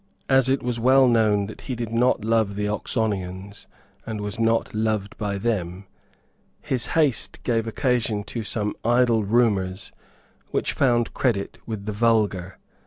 As it was well known that he did not love the Oxonians and was not loved by them, his haste gave occasion to some idle rumours which found credit with the vulgar.